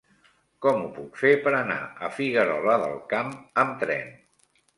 Com ho puc fer per anar a Figuerola del Camp amb tren?